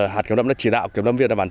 hạt kiếm đậm đã chỉ đạo kiếm đậm việt đà bản